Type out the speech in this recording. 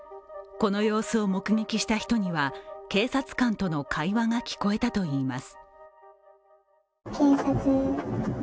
この様子を目撃した人には警察官との会話が聞こえたといいます。